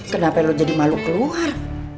kenapa lo jadi malu keluar